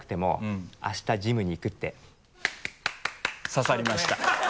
刺さりました。